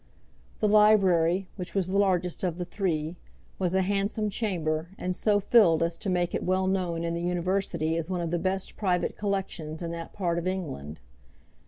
The library, which was the largest of the three, was a handsome chamber, and so filled as to make it well known in the University as one of the best private collections in that part of England.